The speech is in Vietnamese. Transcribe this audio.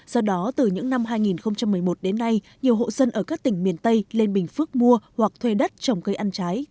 do đó từ những năm hai nghìn một mươi một đến nay nhiều hộ dân ở các tỉnh miền tây lên bình phước mua hoặc thuê đất trồng cây ăn trái